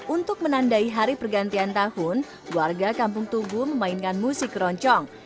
untuk menandai hari pergantian tahun warga kampung tugu memainkan musik keroncong